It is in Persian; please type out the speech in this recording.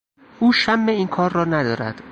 او شم این کار را ندارد.